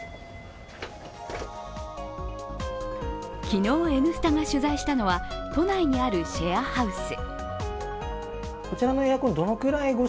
昨日、「Ｎスタ」が取材したのは都内にあるシェアハウス。